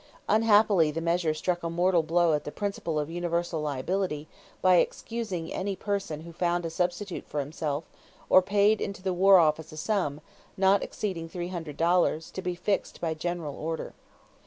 Unhappily the measure struck a mortal blow at the principle of universal liability by excusing any person who found a substitute for himself or paid into the war office a sum, not exceeding three hundred dollars, to be fixed by general order.